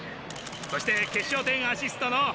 そして決勝点アシストの。